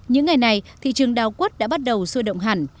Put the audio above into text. những ngày này thị trường đào quất đã bắt đầu sôi động hẳn